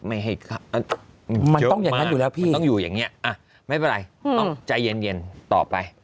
เยอะมากมันต้องอยู่อย่างนี้อ่ะไม่เป็นไร